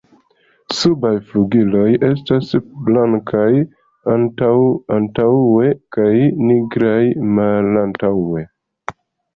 Subaj flugiloj estas blankaj antaŭe kaj nigraj malantaŭe.